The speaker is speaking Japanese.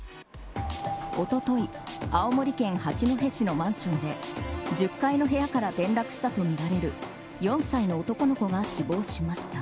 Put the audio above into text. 一昨日、青森県八戸市のマンションで１０階の部屋から転落したとみられる４歳の男の子が死亡しました。